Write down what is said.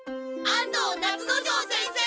安藤夏之丞先生！